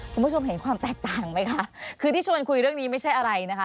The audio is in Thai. คุณผู้ชมเห็นความแตกต่างไหมคะคือที่ชวนคุยเรื่องนี้ไม่ใช่อะไรนะคะ